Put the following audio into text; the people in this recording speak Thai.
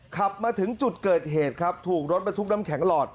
ขับมาถึงจุดเกิดเหตุครับถูกรถบรรทุกน้ำแข็งหลอด